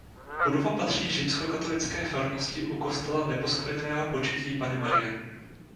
Budova patří Římskokatolické farnosti u kostela Neposkvrněného Početí Panny Marie.